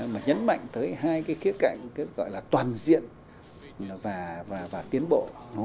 mà nhấn mạnh tới hai cái kết cạnh gọi là toàn diện và tiến bộ